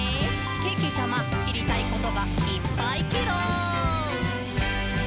けけちゃま、しりたいことがいっぱいケロ！」